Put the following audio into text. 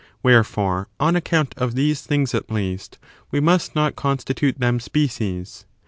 Wherefore, on account of these things, at least, we must not constitute them species.